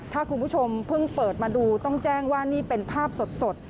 ถ้าคุณผู้ชมเพิ่งเปิดมาดูต้องแจ้งว่านี่เป็นภาพสด